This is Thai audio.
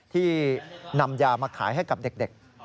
ที่นำยามาขายให้กับเด็ก